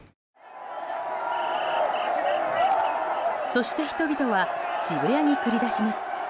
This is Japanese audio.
そして、人々は渋谷に繰り出します。